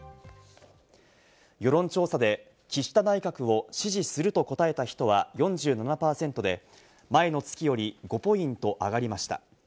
世論調査で、岸田内閣を支持すると答えた人は４７％で、前の月より５ポイント上がりました。